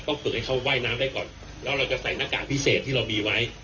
ก็ฝึกให้เขาว่ายน้ำได้ก่อนแล้วเราจะใส่หน้ากากพิเศษที่เรามีไว้